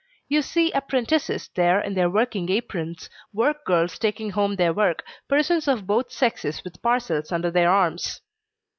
You see apprentices there in their working aprons, work girls taking home their work, persons of both sexes with parcels under their arms.